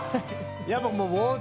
やっぱ。